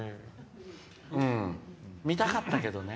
見たかったけどね。